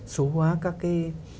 số hóa các cái